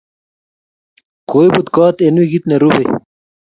Koibut kot eng wikit ne rubei